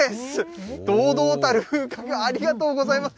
堂々たる風格、ありがとうございます。